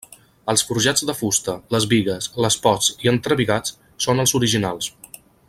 Els forjats de fusta, les bigues, les posts i entrebigats són els originals.